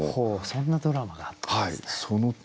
そんなドラマがあったんですね。